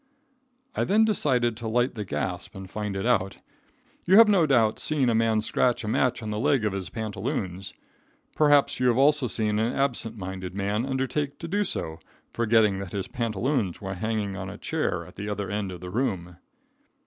I then decided to light the gas and fight it out. You have no doubt seen a man scratch a match on the leg of his pantaloons. Perhaps you have also seen an absent minded man undertake to do so, forgetting that his pantaloons were hanging on a chair at the other end of the room.